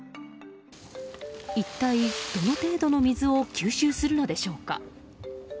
一体どの程度の水を吸収するのでしょうか。